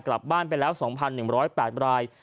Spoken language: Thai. กลับบ้านไปแล้ว๒๑๐๘ราย